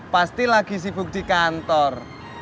pasti lagi sibuk di kantor